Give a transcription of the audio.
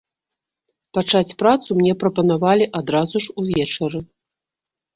Пачаць працу мне прапанавалі адразу ж увечары.